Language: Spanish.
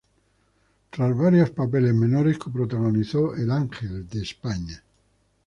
Tras varios papeles menores, coprotagonizó "El ángel de España".